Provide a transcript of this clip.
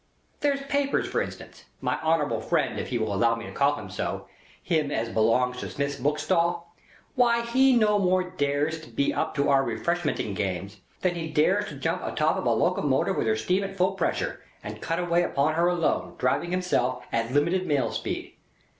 There's Papers for instance—my honourable friend if he will allow me to call him so—him as belongs to Smith's bookstall. Why he no more dares to be up to our Refreshmenting games, than he dares to jump atop of a locomotive with her steam at full pressure, and cut away upon her alone, driving himself, at limited mail speed.